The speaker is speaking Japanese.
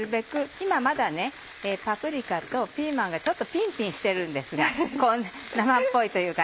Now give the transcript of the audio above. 今まだパプリカとピーマンがちょっとピンピンしてるんですが生っぽいというか。